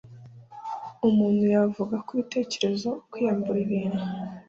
umuntu yavuga ko ibitekerezo, kwiyambura ibintu